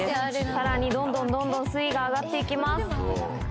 さらにどんどんどんどん水位が上がって行きます。